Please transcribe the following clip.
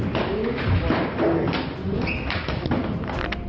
อย่างนั้น